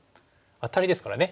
アタリですからね